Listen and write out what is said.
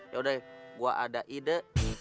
yaudah gue ada ide